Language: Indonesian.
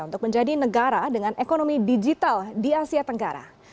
untuk menjadi negara dengan ekonomi digital di asia tenggara